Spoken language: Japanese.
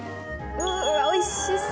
うわおいしそう！